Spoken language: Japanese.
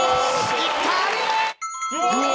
いった！